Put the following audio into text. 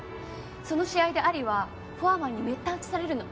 その試合でアリはフォアマンにめった打ちされるの。